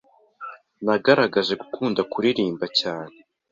nagaragaje gukunda kuririmba cyane